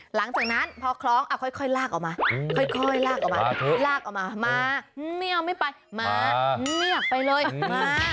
หลังจากนั้นพอคล้องค่อยลากออกมาลากออกมามาไม่เอาไม่ไปมาไม่อยากไปเลยมา